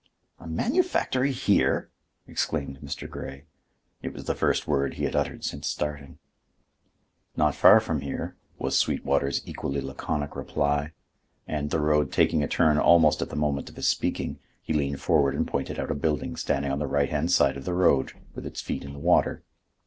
"A manufactory here!" exclaimed Mr. Grey. It was the first word he had uttered since starting. "Not far from here," was Sweetwater's equally laconic reply; and, the road taking a turn almost at the moment of his speaking, he leaned forward and pointed out a building standing on the right hand side of the road, with its feet in the water.